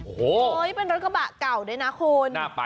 โอ้โหเป็นรถกระบะเก่าด้วยนะคุณ